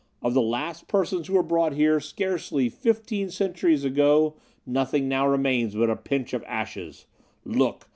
Of the last persons who were brought here, scarcely fifteen centuries ago, nothing now remains but a pinch of ashes. Look!